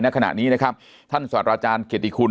ในขณะนี้นะครับท่านสวัสดิ์อาจารย์เกติคุณ